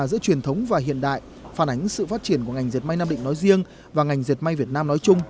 giữa truyền thống và hiện đại phản ánh sự phát triển của ngành diệt may nam định nói riêng và ngành diệt may việt nam nói chung